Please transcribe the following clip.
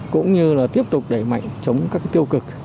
cũng như là tiếp tục đẩy mạnh chống các tiêu cực